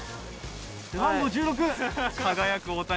背番号１６。